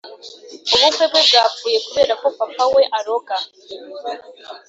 Ubukwe bwe bwapfuye kuberako papa we aroga